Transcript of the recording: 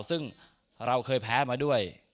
ซึ่งเราเคยแพ้มาด้วย